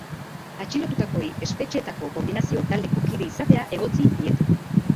Atxilotutakoei espetxeetako koordinazio taldeko kide izatea egotzi diete.